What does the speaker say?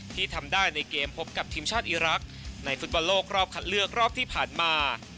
ที่ทำได้ในเกมพบกับทีมชาติอีรักษ์ในฟุตบอลโลกรอบคัดเลือกรอบที่ผ่านมา